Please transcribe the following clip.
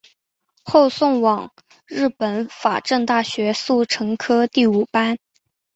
后送往日本法政大学速成科第五班。